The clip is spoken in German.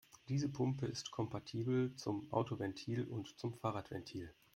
Diese Pumpe ist kompatibel zum Autoventil und zum Fahrradventil.